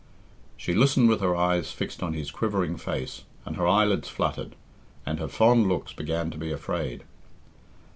She listened with her eyes fixed on his quivering face, and her eyelids fluttered, and her fond looks began to be afraid.